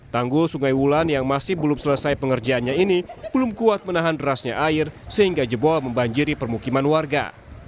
tanggul sungai wulan yang masih belum selesai pengerjaannya ini belum kuat menahan derasnya air sehingga jebol membanjiri permukiman warga